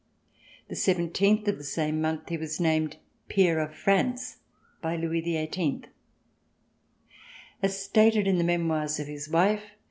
The seventeenth of the same month, he was named Peer of France by Louis XVIIL As stated in the memoirs of his wife.